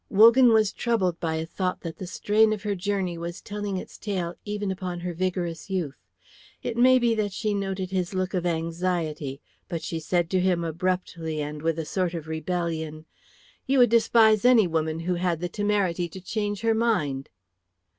Wogan was troubled by a thought that the strain of her journey was telling its tale even upon her vigorous youth. It may be that she noted his look of anxiety, but she said to him abruptly and with a sort of rebellion, "You would despise any woman who had the temerity to change her mind."